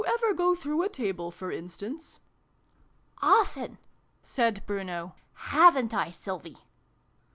Did you ever go through a table, for instance ?"" Often !" said Bruno. " Haven t I, Sylvie